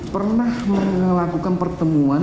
pernah melakukan pertemuan